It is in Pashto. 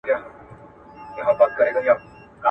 په هینداره کي دي وینم کله ته یې کله زه سم ,